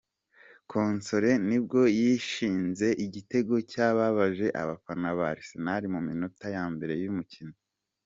Koscielny nibwo yitsinze igitego cyababaje abafana ba Arsenal mu minota ya mbere y'umukino.